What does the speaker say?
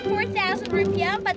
koran empat rupiah empat rupiah